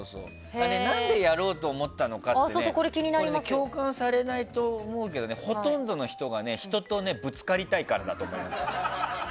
何でやろうと思ったのかってね共感されないと思うけどほとんどの人が人とぶつかりたいからだと思うんですよ。